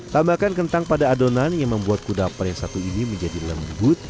tambahkan kentang pada adonan yang membuat kudaper yang satu ini menjadi lembut